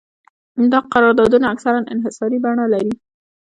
دا قراردادونه اکثراً انحصاري بڼه لري